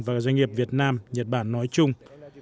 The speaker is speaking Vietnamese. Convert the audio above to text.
và doanh nghiệp việt nam nhật bản nói chung